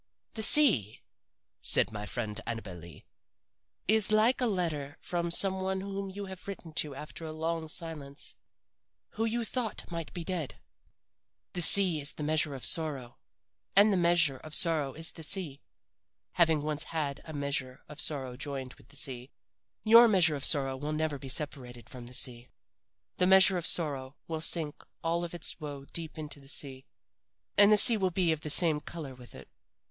"The sea," said my friend Annabel Lee, "is like a letter from some one whom you have written to after a long silence, who you thought might be dead. "The sea is the measure of sorrow, and the measure of sorrow is the sea. Having once had a measure of sorrow joined with the sea, your measure of sorrow will never be separated from the sea. "The measure of sorrow will sink all of its woe deep into the sea, and the sea will be of the same color with it.